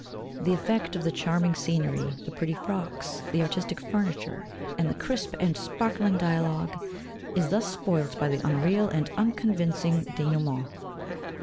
The effect of the charming scenery, the pretty frocks, the artistic furniture, and "the crisp and sparkling dialogue," is thus spoilt by the unreal and unconvincing dénouement.